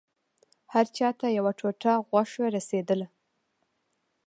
هر چا ته يوه ټوټه غوښه رسېدله.